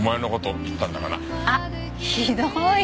あっひどい！